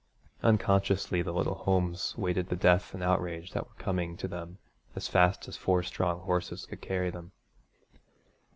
Unconsciously the little homes waited the death and outrage that were coming to them as fast as four strong horses could carry them.